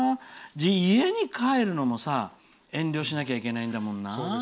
家に帰るのも遠慮しなきゃいけないんだもんな。